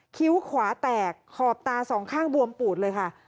คิ้วขวาแตกขอบตาสองข้างบวมปูดเลยค่ะ